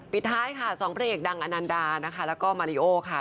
ปิดท้ายค่ะสองผู้เอกดังอันนันดาแล้วก็มาริโอ้ค่ะ